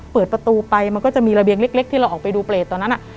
เปิดประตูไปมันก็จะมีระเบียงเล็กที่เราออกไปดูเปรตตอนนั้น